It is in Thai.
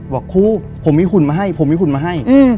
บอกครูผมมีหุ่นมาให้ผมมีหุ่นมาให้